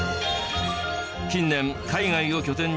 近年海外を拠点にし